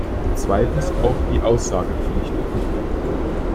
Zweitens auch die Aussagepflicht.